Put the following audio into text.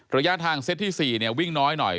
ระยะทางเซตที่๔วิ่งน้อยหน่อย